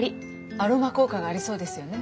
アロマ効果がありそうですよね。